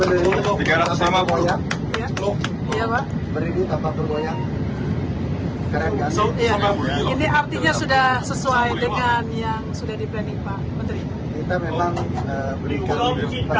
ini artinya sudah sesuai dengan yang sudah di planning pak menteri